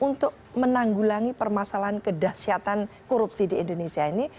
untuk menanggulangi permasalahan kedahsyatan korupsi di indonesia ini